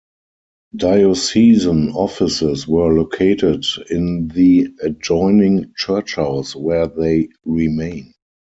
Diocesan offices were located in the adjoining Church House, where they remain.